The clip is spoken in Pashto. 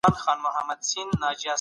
ځنګلونه او وني باید پري نه سي.